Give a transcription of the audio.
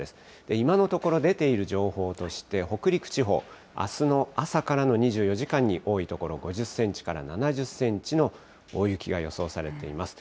今のところ、出ている情報として、北陸地方、あすの朝からの２４時間に多い所、５０センチから７０センチの大雪が予想されています。